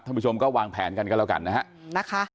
ผู้ชมก็วางแผนกันกันแล้วกันนะฮะ